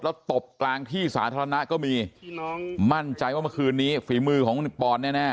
แล้วตบกลางที่สาธารณะก็มีมั่นใจว่าเมื่อคืนนี้ฝีมือของคุณปอนแน่